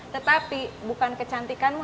tetapi bukan kecantikanmu